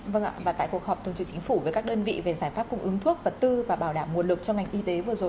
vâng ạ và tại cuộc họp thường trực chính phủ với các đơn vị về giải pháp cung ứng thuốc vật tư và bảo đảm nguồn lực cho ngành y tế vừa rồi